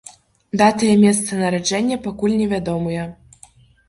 Дата і месца нараджэння пакуль невядомыя.